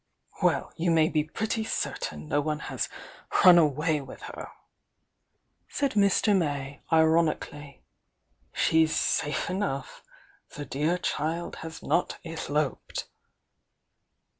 "Well, you may be pretty certain no one has run away with her," said Mr. May, ironically. "She's safe enough. The 'dear child' has not eloped!"